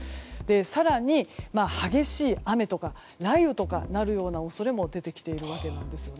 更に、激しい雨や雷雨になるような恐れも出てきているんです。